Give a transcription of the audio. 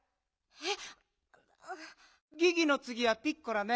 えっ？